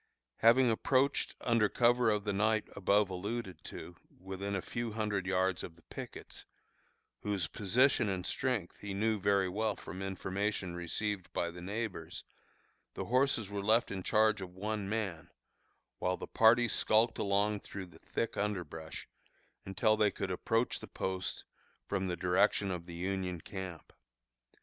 Having approached, under cover of the night above alluded to, within a few hundred yards of the pickets, whose position and strength he knew very well from information received by the neighbors, the horses were left in charge of one man, while the party skulked along through the thick underbrush, until they could approach the post from the direction of the Union camp.